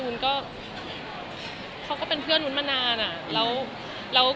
มันก็เขาก็เป็นเพื่อนวุ้นมานานอะ